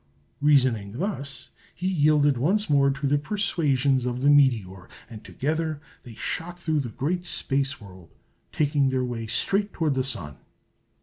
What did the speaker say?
Reasoning thus, he yielded once more to the persuasions of the meteor, and together they shot through the great space world, taking their way straight toward the Sun.